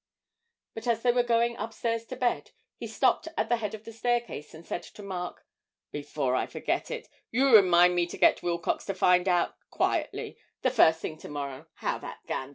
But as they were going upstairs to bed, he stopped at the head of the staircase and said to Mark, 'Before I forget it, you remind me to get Wilcox to find out, quietly, the first thing to morrow, how that gander is.'